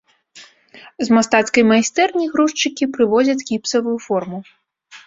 З мастацкай майстэрні грузчыкі прывозяць гіпсавую форму.